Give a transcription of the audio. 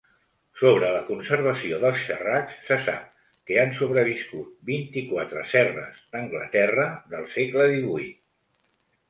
Sobre la conservació dels xerracs, se sap que han sobreviscut vint-i-quatre serres d'Anglaterra del segle XVIII.